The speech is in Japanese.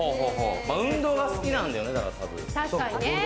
運動が好きなんだよね、たぶん。